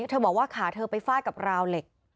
เธอบอกว่าขาเธอไปฟาดกับราวเหล็ก